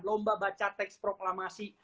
lomba baca teks proklamasi